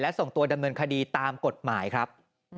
ส่งตัวดำเนินคดีตามกฎหมายครับ